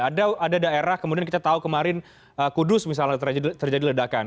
ada daerah kemudian kita tahu kemarin kudus misalnya terjadi ledakan